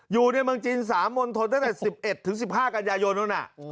อยู่ในเมืองจีน๓มลศนได้จาก๑๑ถึง๑๕กันยายนนแล้วแหละ